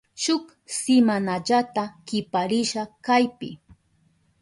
Shuk simanallata kiparisha kaypi.